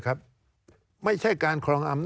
การเลือกตั้งครั้งนี้แน่